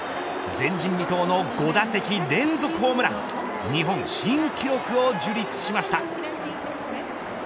前人未到の５打席連続ホームラン日本新記録を樹立しました。